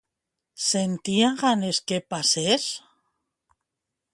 Sentia ganes que passés?